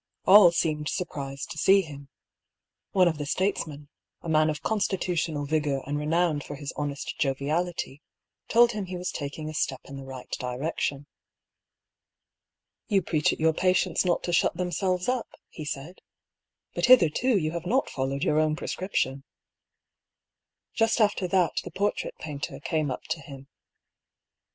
All seemed surprised to see him. One of the statesmen, a man of constitutional vigour and renowned for his honest joviality, told him he was taking a step in the right direction. "You preach at your patients not to shut them selves up," he said. " But hitherto you have not fol lowed your own prescription." Just after that the portrait painter came up to him.